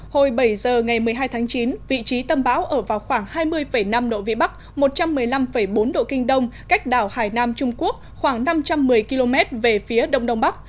hồi bảy giờ ngày một mươi hai tháng chín vị trí tâm bão ở vào khoảng hai mươi năm độ vĩ bắc một trăm một mươi năm bốn độ kinh đông cách đảo hải nam trung quốc khoảng năm trăm một mươi km về phía đông đông bắc